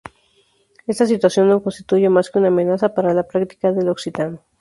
Esta situación no constituye más que una amenaza para la práctica del occitano.